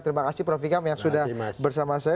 terima kasih prof ikam yang sudah bersama saya